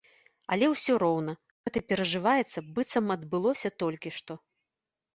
Але ўсё роўна, гэта перажываецца, быццам адбылося толькі што.